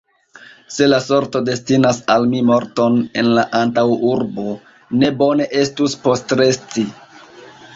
Se la sorto destinas al mi morton en la antaŭurbo, ne bone estus postresti.